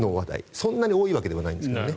そんなに多いわけではないですけどね。